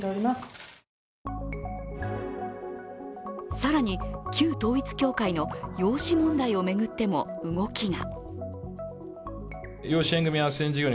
更に旧統一教会の養子問題を巡っても動きが。